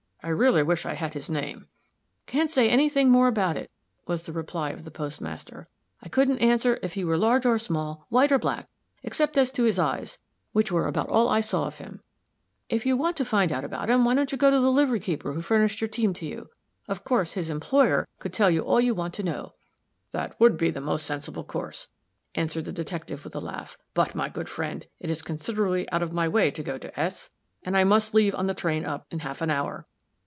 I really wish I had his name." "Can't say any thing more about it," was the reply of the postmaster. "I couldn't answer if he were large or small, white or black, except as to his eyes, which were about all I saw of him. If you want to find out about him, why don't you go to the livery keeper who furnished your team to you? Of course, his employer could tell you all you want to know." "That would be the most sensible course," answered the detective, with a laugh. "But, my good friend, it is considerably out of my way to go to S ; and I must leave on the train up, in half an hour.